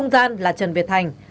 công gian là trần việt thành